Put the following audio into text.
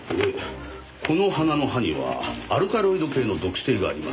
この花の葉にはアルカロイド系の毒性があります。